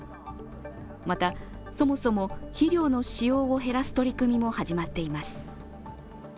また、そもそも肥料の使用を減らす取り組みも始まっています。